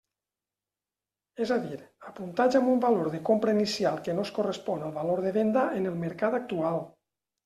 És a dir, apuntats amb un valor de compra inicial que no es correspon al valor de venda en el mercat actual.